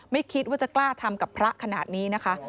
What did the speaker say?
ไม่คิดว่าจะกล้าทำกับพระขนาดนี้นะคะ